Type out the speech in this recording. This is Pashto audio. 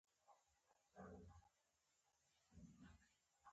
ته ښکته شه.